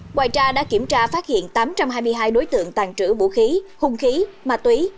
ngoài ra đã kiểm tra phát hiện tám trăm hai mươi hai đối tượng tàn trữ vũ khí hung khí ma túy